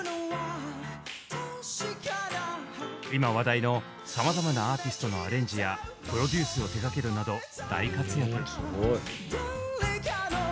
今話題のさまざまなアーティストのアレンジやプロデュースを手がけるなど大活躍。